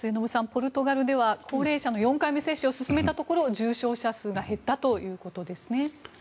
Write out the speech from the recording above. ポルトガルでは高齢者の４回目接種を進めたところ重症者数が減ったということですね。